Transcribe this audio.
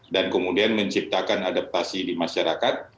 dan kemudian menciptakan adaptasi di masyarakat